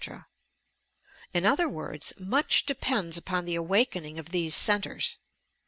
In other words, much depends upon the awakening of these centres!